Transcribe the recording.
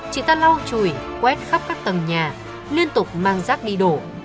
chị ta lau chùi quét khắp các tầng nhà liên tục mang rác đi đổ